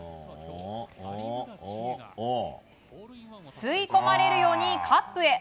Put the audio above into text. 吸い込まれるようにカップへ。